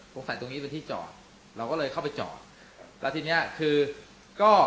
ใส่ตรงนี้เป็นที่จอดเราก็เลยเข้าไปจอดแล้วทีเนี้ยคือก็